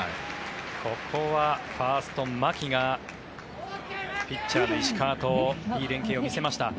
ここはファースト、牧がピッチャーの石川といい連係を見せました。